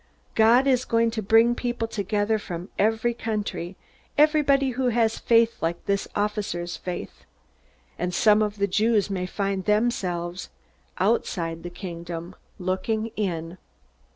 God is going to bring together people from every country, everybody who has faith like this officer's faith. And some of the Jews may find themselves outside the Kingdom looking in!"